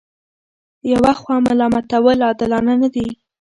یوه خوا ملامتول عادلانه نه دي.